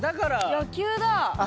野球だあ！